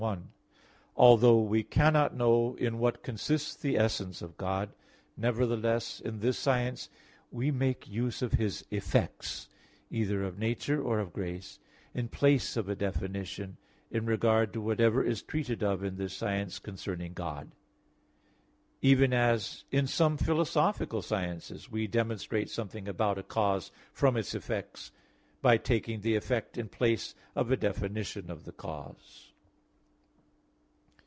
1: Although we cannot know in what consists the essence of God, nevertheless in this science we make use of His effects, either of nature or of grace, in place of a definition, in regard to whatever is treated of in this science concerning God; even as in some philosophical sciences we demonstrate something about a cause from its effect, by taking the effect in place of a definition of the cause.